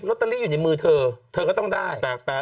ตเตอรี่อยู่ในมือเธอเธอก็ต้องได้